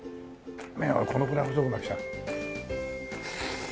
麺はこのくらい細くなくちゃ。